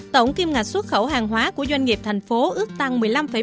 tổng kim ngạch xuất khẩu hàng hóa của doanh nghiệp thành phố ước tăng một mươi năm bốn